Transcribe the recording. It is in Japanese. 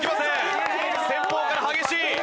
先鋒から激しい！